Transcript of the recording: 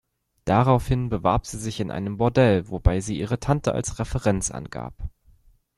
Daraufhin bewarb sie sich in einem Bordell, wobei sie ihre Tante als Referenz angab.